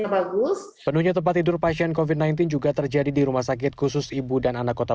bagus penuhnya tempat tidur pasien covid sembilan belas juga terjadi di rumah sakit khusus ibu dan anak kota